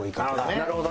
なるほどね。